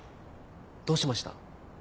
どうしました？